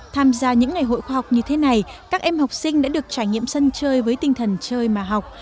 tham gia những ngày hội khoa học như thế này các em học sinh đã được trải nghiệm sân chơi với tinh thần chơi mà học